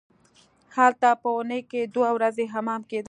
هلته په اونۍ کې دوه ورځې حمام کیده.